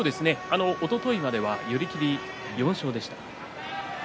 おとといまでは寄り切りが４勝ありました。